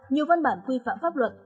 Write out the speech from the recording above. nhiều văn bản quy phạm pháp luật